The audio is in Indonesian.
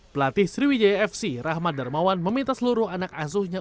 pelatih sriwijaya fc rahmat darmawan meminta seluruh anak asuhnya